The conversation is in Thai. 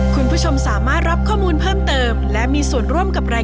ก็ร้องได้ให้ร้าน